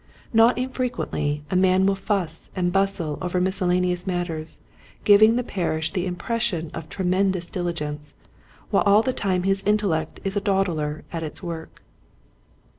Not infrequently a man will fuss and bustle over miscella neous matters, giving the parish the im pression of tremendous diligence, while all the time his intellect is a dawdler at its work.